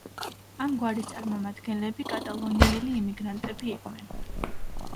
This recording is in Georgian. ამ გვარის წარმომადგენლები კატალონიელი იმიგრანტები იყვნენ.